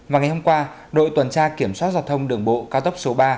vào ngày hôm qua đội tuần tra kiểm soát giao thông đường bộ cao tốc số ba